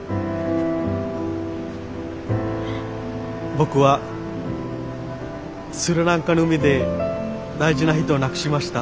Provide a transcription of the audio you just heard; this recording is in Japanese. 僕はスリランカの海で大事な人を亡くしました。